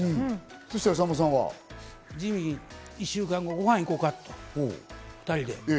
そしたら、さんまさんはジミー、１週間後にご飯行こうか２人でって。